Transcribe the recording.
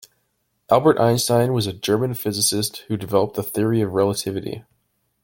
Albert Einstein was a German physicist who developed the Theory of Relativity.